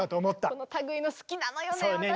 この類いの好きなのよね。